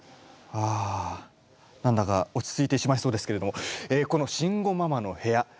あ何だか落ち着いてしまいそうですけれどもえこの「慎吾ママの部屋」